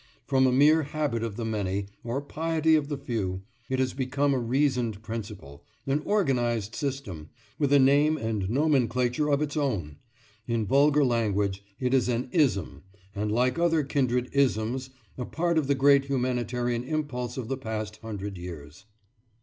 From a mere habit of the many, or piety of the few, it has become a reasoned principle, an organised system, with a name and nomenclature of its own: in vulgar language, it is an ism, and, like other kindred isms, a part of the great humanitarian impulse of the past hundred years.